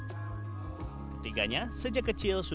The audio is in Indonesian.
ketiganya sejak kecil sudah dikenal sebagai orang yang berpengaruh